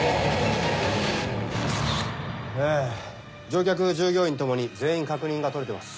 乗客従業員共に全員確認が取れてます。